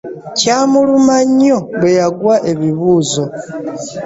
Kyamuluma nnyo bwe yagwa ebibuuzo.